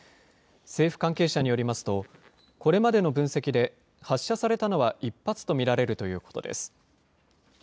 政府関係者によりますと、これまでの分析で、発射されたのは１発と見られるということです。